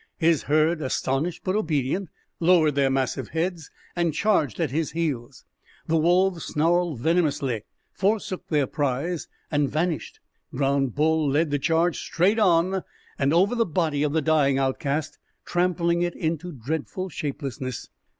His herd, astonished but obedient, lowered their massive heads and charged at his heels. The wolves snarled venomously, forsook their prize, and vanished. Brown Bull led the charge straight on and over the body of the dying outcast, trampling it into dreadful shapelessness.